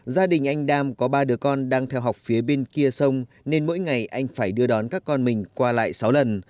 gia đình anh đam có ba đứa con đang theo học phía bên kia sông nên mỗi ngày anh phải đưa đón các con mình qua lại sáu lần